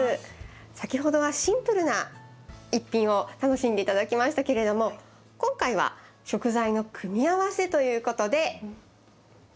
先ほどはシンプルな一品を楽しんで頂きましたけれども今回は食材の組み合わせということで。